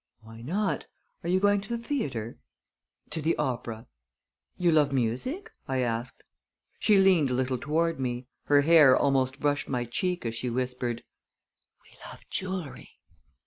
"Why not? Are you going to the theater?" "To the opera." "You love music?" I asked. She leaned a little toward me. Her hair almost brushed my cheek as she whispered: "We love jewelry!"